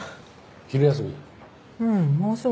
昼休み？